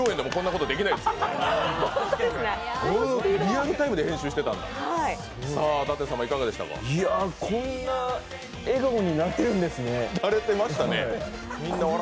こんな笑顔になってるんですね。